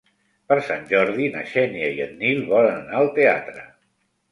Per Sant Jordi na Xènia i en Nil volen anar al teatre.